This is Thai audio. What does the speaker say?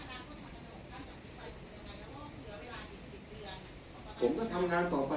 คุณท่านหวังว่าประชาธิบัติไม่ชอบมาตรา๔๔